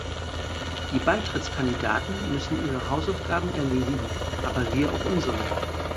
Die Beitrittskandidaten müssen ihre Hausaufgaben erledigen, aber wir auch unsere.